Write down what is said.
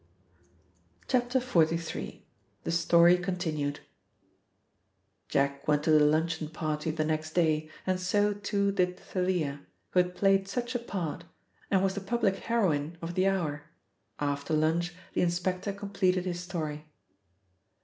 XLIII. — THE STORY CONTINUED JACK went to the luncheon party the next day and so, too, did Thalia, who had played such a part, and was the public heroine of the hour. After lunch the inspector completed his story.